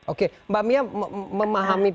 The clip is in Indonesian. oke mbak mia memahami